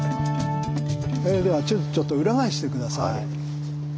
では地図ちょっと裏返して下さい。